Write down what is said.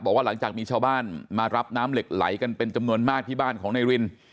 บอกว่าหลังจากมีชาวบ้านมารับน้ำเหล็กไหลกันเป็นจำนวนมากที่บ้านของนายริน